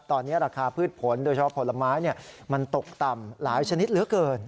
ตอนนี้ราคาพืชผลโดยเฉพาะผลไม้มันตกต่ำหลายชนิดเหลือเกิน